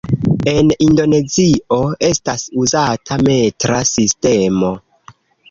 En Indonezio estas uzata metra sistemo.